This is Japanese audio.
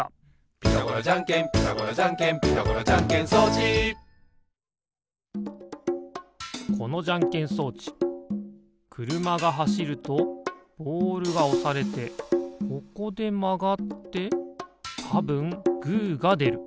「ピタゴラじゃんけんピタゴラじゃんけん」「ピタゴラじゃんけん装置」このじゃんけん装置くるまがはしるとボールがおされてここでまがってたぶんグーがでる。